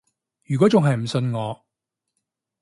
如果仲係唔信我